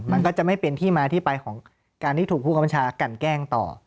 มันก็จะไม่เป็นที่มาที่ไปของการที่ถูกผู้คำบัญชากันแกล้งต่อ